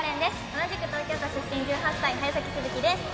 同じく東京都出身１８歳、早崎すずきです。